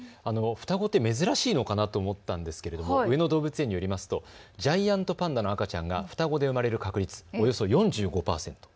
双子って珍しいのかなと思ったんですが、上野動物園によるとジャイアントパンダの赤ちゃんが双子で生まれる確率、およそ４５％。